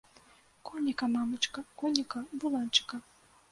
Коніка, мамачка, коніка, буланчыка.